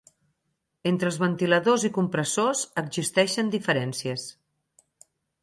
Entre els ventiladors i compressors existeixen diferències.